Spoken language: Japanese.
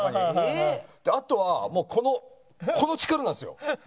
あとはもうこのこの力なんですよ。